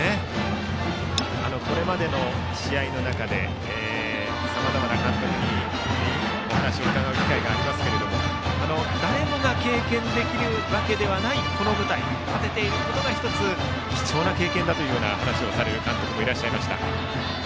これまでの試合の中でさまざまな監督にお話を伺う機会がありますが誰もが経験できるわけではないこの舞台に立てていることが貴重な経験だと話をされる監督もいらっしゃいました。